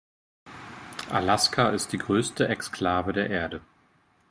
Alaska ist die größte Exklave der Erde.